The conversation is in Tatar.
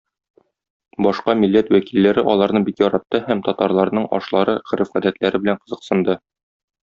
Башка милләт вәкилләре аларны бик яратты һәм татарларның ашлары, гореф-гадәтләре белән кызыксынды.